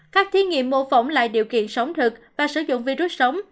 các thí nghiệm mô phỏng lại điều kiện sống thực và sử dụng virus sống